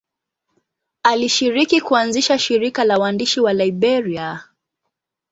Alishiriki kuanzisha shirika la waandishi wa Liberia.